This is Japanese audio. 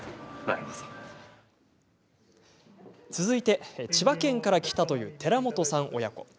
続いて、千葉県から来たという寺本さん親子。